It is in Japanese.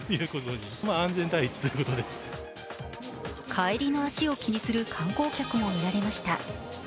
帰りの足を気にする観光客もみられました。